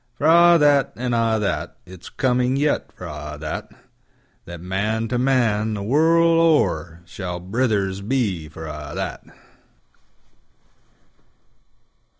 For a' that, an' a' that, It's coming yet for a' that, That Man to Man, the world o'er, Shall brothers be for a' that.